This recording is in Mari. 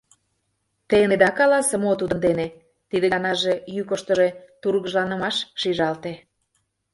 Те ынеда каласе, мо тудын дене? — тиде ганаже йӱкыштыжӧ тургыжланымаш шижалте.